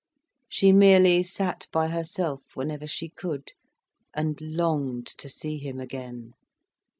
She merely sat by herself, whenever she could, and longed to see him again.